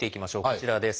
こちらです。